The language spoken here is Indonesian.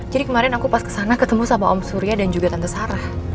jadi kemarin aku pas ke sana ketemu sama om surya dan juga tante sarah